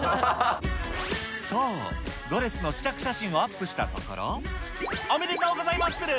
そう、ドレスの試着写真をアップしたところ、おめでとうございマッスル。